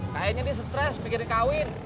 kayaknya dia stres pikir dia kawin